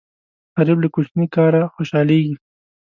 غریب له کوچني کاره خوشاليږي